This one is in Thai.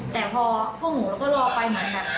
แต่พอพวกหนูเราก็รอไปเหมือนแบบ